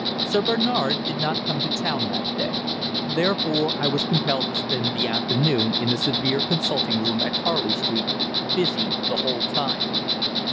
Sir Bernard did not come to town that day; therefore I was compelled to spend the afternoon in the severe consulting room at Harley Street, busy the whole time.